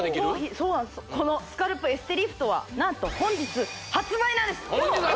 このスカルプエステリフトは何と本日発売？